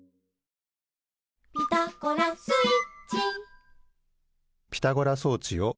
「ピタゴラスイッチ」